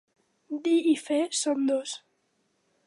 Dir i fer són dos.